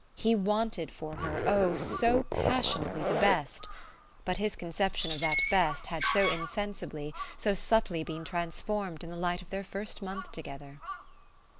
He wanted for her, oh, so passionately, the best; but his conception of that best had so insensibly, so subtly been transformed in the light of their first month together!